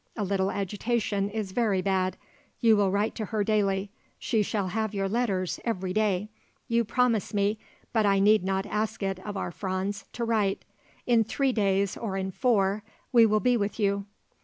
A little agitation is very bad. You will write to her daily. She shall have your letters, every day. You promise me but I need not ask it of our Franz to write. In three days, or in four, we will be with you."